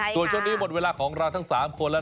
ส่วนช่วงนี้หมดเวลาของเราทั้ง๓คนแล้ว